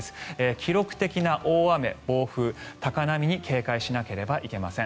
記録的な大雨、暴風、高波に警戒しなければいけません。